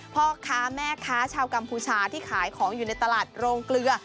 พ่อค้าแม่ค้าชาวกัมพูชาที่ขายของอยู่ในตลาดโรงเกลือ